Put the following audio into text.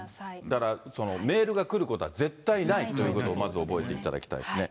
だから、メールが来ることは絶対にないということをまず覚えておいていただきたいですね。